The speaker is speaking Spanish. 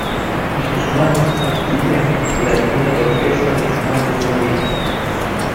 y sus manos adquirían la divina torpeza de las manos de una virgen.